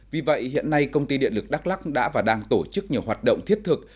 vì vậy hiện nay công ty điện lực đắk lắc đã và đang tổ chức nhiều hoạt động thiết thực